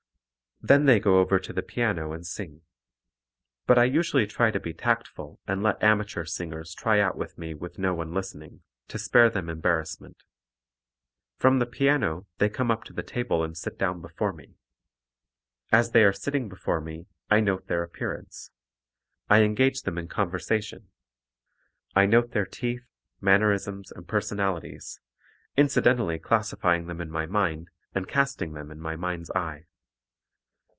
Then they go over to the piano and sing. But I usually try to be tactful and let amateur singers tryout for me with no one listening, to spare them embarrassment. From the piano they come up to the table and sit down before me. As they are sitting before me, I note their appearance. I engage them in conversation. I note their teeth, mannerisms and personalities, incidentally classifying them in my mind and casting them in my mind's eye.